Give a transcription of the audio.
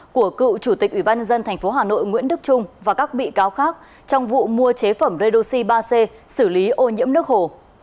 của cựu chủ tịch ủy ban nhân dân tp hà nội nguyễn đức trung và các bị cáo khác trong vụ mua chế phẩm redoxi ba c xử lý ô nhiễm nước hồ